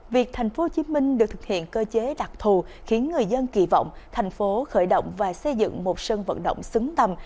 việc tp hcm được thực hiện cơ chế đặc thù khiến người dân kỳ vọng thành phố khởi động và xây dựng một sân vận động xứng tầm